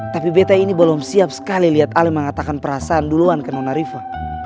tapi betta ini belum siap sekali lihat ale mengatakan perasaan duluan ke nona riva